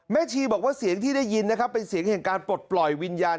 ชีบอกว่าเสียงที่ได้ยินนะครับเป็นเสียงแห่งการปลดปล่อยวิญญาณ